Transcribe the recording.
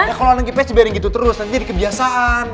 ya kalo anak ipa sih biarin gitu terus nanti jadi kebiasaan